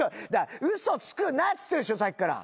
嘘つくなっつってるでしょさっきから。